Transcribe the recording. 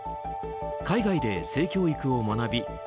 海外で性教育を学び